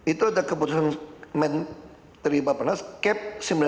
itu ada keputusan terlibat pernas cap sembilan ratus dua puluh